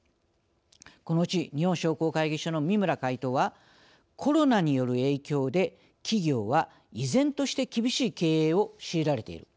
このうち日本商工会議所の三村会頭は「コロナによる影響で企業は依然として厳しい経営を強いられている。